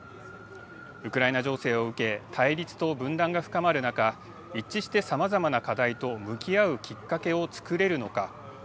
ウクライナ情勢を受け対立と分断が深まる中一致して、さまざまな課題と向き合うきっかけをつくれるのか。